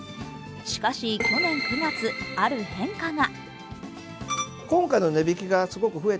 しかし、去年９月、ある変化が。